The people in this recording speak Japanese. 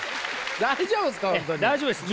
大丈夫です。